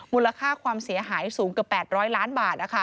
มูลค่าความเสียหายสูงเกือบ๘๐๐ล้านบาท